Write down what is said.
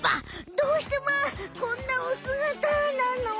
どうしてまあこんなおすがたなの？